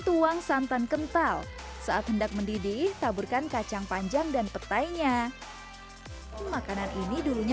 tuang santan kental saat hendak mendidih taburkan kacang panjang dan petainya makanan ini dulunya